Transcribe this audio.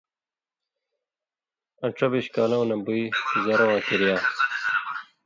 آں ڇبیش کالؤں نہ بُوی ژرہۡ واں کِریا